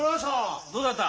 どうだった？